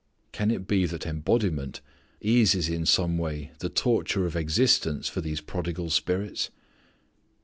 (Can it be that embodiment eases in some way the torture of existence for these prodigal spirits!)